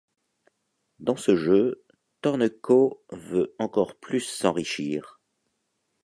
Dans ce jeu, Torneko veut encore plus s'enrichir.